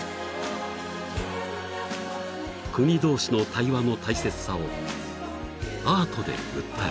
［国同士の対話の大切さをアートで訴えた］